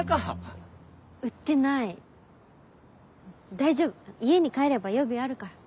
大丈夫家に帰れば予備あるから。